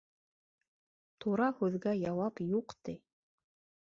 Тура һүҙгә яуап юҡ ти.